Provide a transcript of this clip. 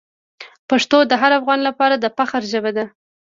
پښتو د هر افغان لپاره د فخر ژبه ده.